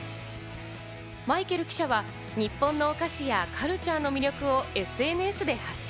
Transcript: マイケル記者は日本のお菓子やカルチャーの魅力をＳＮＳで発信、